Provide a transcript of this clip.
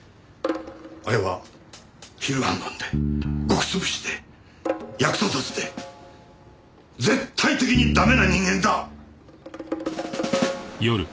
あれは昼行灯で穀潰しで役立たずで絶対的に駄目な人間だ！